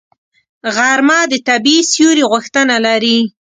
غرمه د طبیعي سیوري غوښتنه لري